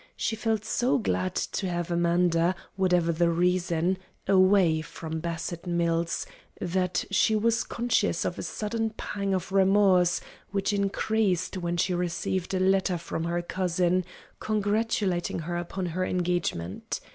She felt so glad to have Amanda, whatever the reason, away from Bassett Mills that she was conscious of a sudden pang of remorse, which increased when she received a letter from her cousin, congratulating her upon her engagement.